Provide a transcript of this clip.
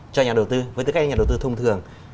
cho nhà đầu tư với tư cách nhà đầu tư thông thường